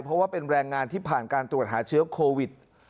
เพราะว่าเป็นแรงงานที่ผ่านการตรวจหาเชื้อโควิด